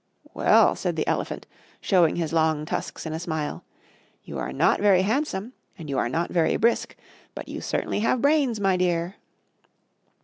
"Well," said the elephant, showing his long tusks in a smile, "you are not very handsome, and you are not very brisk; but you certainly have brains, my dear."